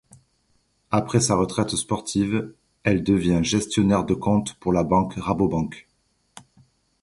Après sa retraite sportive, elle devient gestionnaire de comptes pour la banque Rabobank.